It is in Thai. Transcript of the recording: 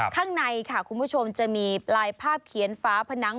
ข้างในค่ะคุณผู้ชมจะมีลายภาพเขียนฟ้าผนัง